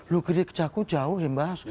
lu gede ke jakarta jauh ya mbak